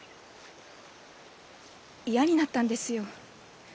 嫌になったんですよ。